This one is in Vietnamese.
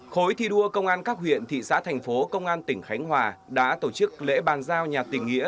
khối thi đua công an các huyện thị xã thành phố công an tỉnh khánh hòa đã tổ chức lễ bàn giao nhà tình nghĩa